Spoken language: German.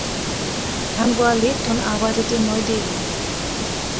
Kanwar lebt und arbeitet in Neu-Delhi.